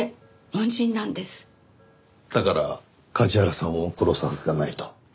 だから梶原さんを殺すはずがないと？